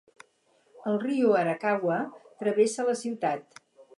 El riu Arakawa travessa la ciutat.